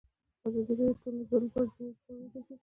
ازادي راډیو د ټولنیز بدلون په اړه سیمه ییزې پروژې تشریح کړې.